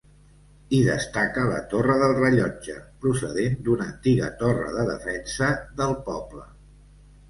Hi destaca la Torre del Rellotge, procedent d'una antiga torre de defensa del poble.